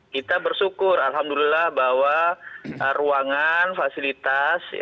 kita bersyukur alhamdulillah bahwa ruangan fasilitas